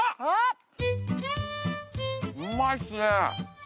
うまいっすね。